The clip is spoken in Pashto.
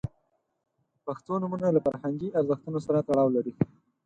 • پښتو نومونه له فرهنګي ارزښتونو سره تړاو لري.